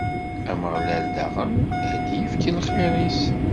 Ameɣlal daɣen, ad d-ifk lxir-is.